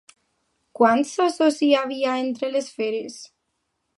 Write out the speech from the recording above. Quants óssos hi havia entre les feres?